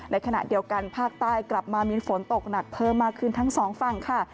ในขณะเดียวกันภาคใต้กลับมามีฝนตกหนักเพิ่มมากขึ้นทั้งสองฝั่งค่ะ